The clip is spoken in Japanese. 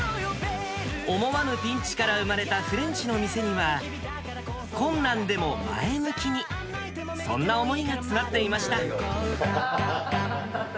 思わぬピンチから生まれたフレンチの店には、困難でも前向きに、そんな思いが詰まっていました。